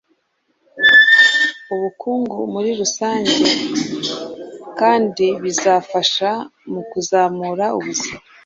ubukungu muri rusange kandi bizafasha mu kuzamura ubuzima